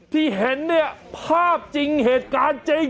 ที่เห็นเนี่ยภาพจริงเหตุการณ์จริง